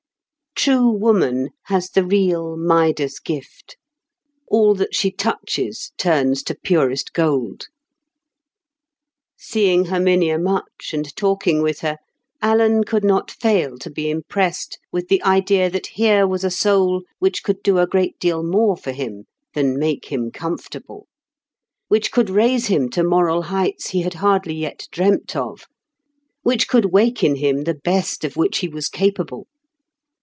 True woman has the real Midas gift: all that she touches turns to purest gold. Seeing Herminia much and talking with her, Alan could not fail to be impressed with the idea that here was a soul which could do a great deal more for him than "make him comfortable,"—which could raise him to moral heights he had hardly yet dreamt of—which could wake in him the best of which he was capable.